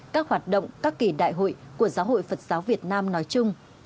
các hoạt động các kỳ đại hội của giáo hội phật giáo việt nam nói chung